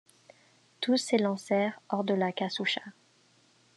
Tous s’élancèrent hors de la casucha.